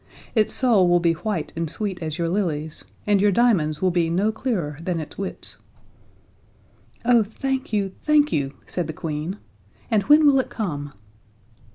Its soul will be white and sweet as your lilies, and your diamonds will be no clearer than its wits." "Oh, thank you, thank you," said the Queen, "and when will it come?"